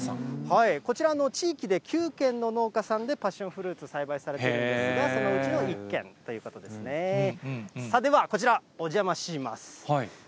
こちらの地域で９軒の農家さんがパッションフルーツ、栽培されてるんですが、そのうちの１軒ということですね。